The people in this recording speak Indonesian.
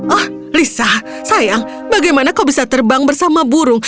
oh lisa sayang bagaimana kau bisa terbang bersama burung